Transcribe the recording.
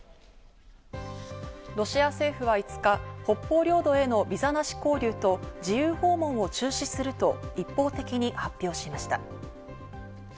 ロシア政府は５日、北方領土へのビザなし交流と自由訪問を中止すると一方的に発表しました。